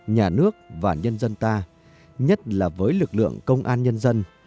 nhà nước và nhân dân ta nhất là với lực lượng công an nhân dân